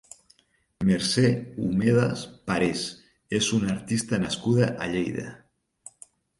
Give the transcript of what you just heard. Mercè Humedas Parés és una artista nascuda a Lleida.